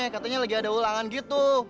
katanya lagi ada ulangan gitu